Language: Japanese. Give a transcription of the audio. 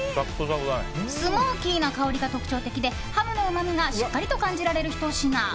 スモーキーな香りが特徴的でハムのうまみがしっかりと感じられるひと品。